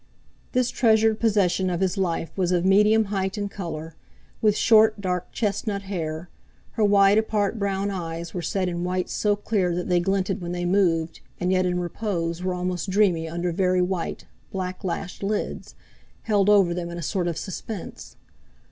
This treasured possession of his life was of medium height and colour, with short, dark chestnut hair; her wide apart brown eyes were set in whites so clear that they glinted when they moved, and yet in repose were almost dreamy under very white, black lashed lids, held over them in a sort of suspense.